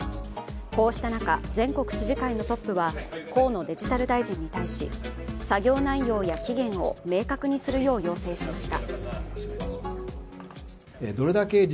こうした中、全国知事会のトップは河野デジタル大臣に対し作業内容や期限を明確にするよう要請しました。